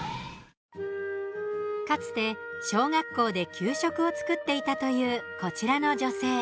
かつて小学校で給食を作っていたというこちらの女性。